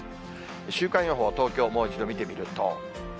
週間予報、東京もう一度見てみると。